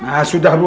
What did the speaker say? nah sudah bu